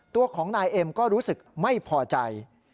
ตัวของนายเอ็มก็รู้สึกไม่พอใจ